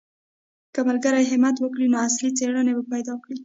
که ملګري همت وکړي نو اصلي څېړنې به پیدا کړي.